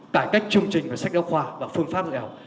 cải cách chương trình và sách đọc khoa và phương pháp nghèo